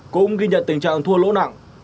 cũng ghi nhận tình trạng thua lỗ nặng